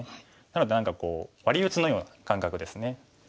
なので何かこうワリ打ちのような感覚ですね。